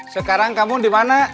sekarang kamu di mana